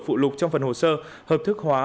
phụ lục trong phần hồ sơ hợp thức hóa